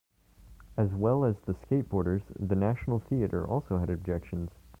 As well as the skateboarders, the National Theatre also had objections.